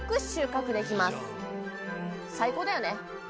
最高だよね。